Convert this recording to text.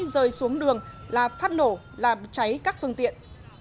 rơi xuống đường là phát nổ làm cháy các phương tiện